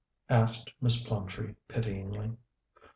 asked Miss Plumtree pityingly.